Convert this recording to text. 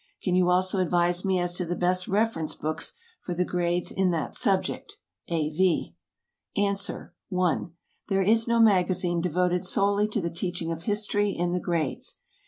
Can you also advise me as to the best reference books for the grades in that subject? A. V. ANS. (1) There is no magazine devoted solely to the teaching of history in the grades.